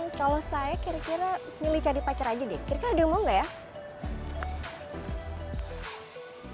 kalau saya kira kira pilih cari pacar aja deh kira kira udah emang gak ya